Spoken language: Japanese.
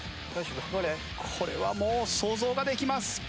これはもう想像ができます。